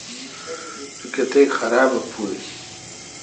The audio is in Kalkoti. تو کتیک خراب ا پو این۔